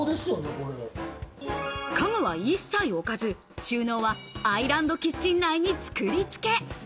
家具は一切置かず、収納はアイランドキッチン内に作り付け。